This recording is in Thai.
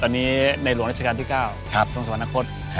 ในหลวงราชการที่๙สำรวจสวรรคส